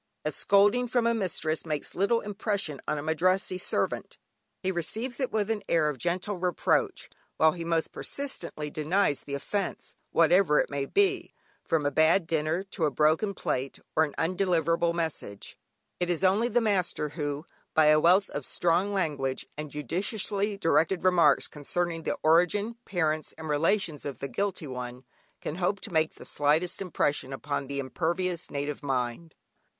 A scolding from a mistress makes little impression on a Madrassee servant, he receives it with an air of gentle reproach, while he most persistently denies the offence, whatever it may be, from a bad dinner, to a broken plate or an undelivered message. It is only the master, who, by a wealth of strong language, and judiciously directed remarks, concerning the origin, parents, and relations of the guilty one, can hope to make the slightest impression upon the impervious native mind.